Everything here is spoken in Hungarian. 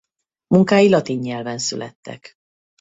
Munkái latin nyelven születtek.